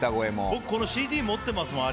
僕、このＣＤ持ってますもん。